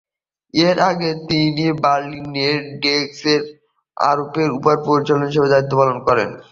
এর আগে তিনি বার্লিনের ডয়েচে অপেরার ব্যালে পরিচালক হিসেবে দায়িত্ব পালন করেন।